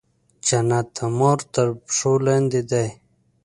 جنت د مور تر پښو لاندې دی.